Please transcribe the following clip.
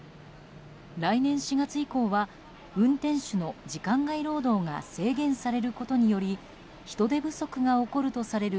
来年４月以降は運転手の時間外労働が制限されることにより人手不足が起こるとされる